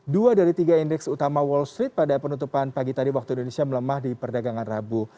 dua dari tiga indeks utama wall street pada penutupan pagi tadi waktu indonesia melemah di perdagangan rabu